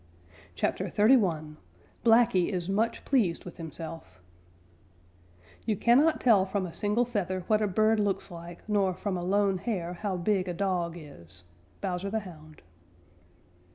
CHAPTER XXXI BLACKY IS MUCH PLEASED WITH HIMSELF You cannot tell from a single feather what a bird looks like, nor from a lone hair how big a dog is. _Bowser the Hound.